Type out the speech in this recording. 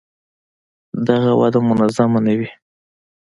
دغه وده منظمه نه وي.